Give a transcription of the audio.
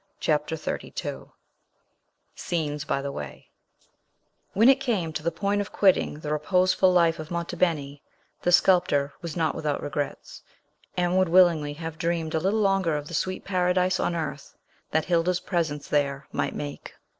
CHAPTER XXXII SCENES BY THE WAY When it came to the point of quitting the reposeful life of Monte Beni, the sculptor was not without regrets, and would willingly have dreamed a little longer of the sweet paradise on earth that Hilda's presence there might make.